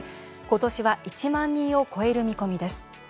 今年は１万人を超える見込みです。